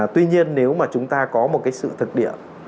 tuy nhiên nếu mà chúng ta có một cái sự thực địa